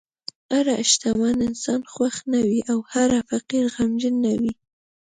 هر شتمن انسان خوښ نه وي، او هر فقیر غمجن نه وي.